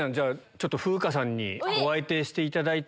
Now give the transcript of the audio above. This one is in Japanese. ちょっと風花さんにお相手していただいて。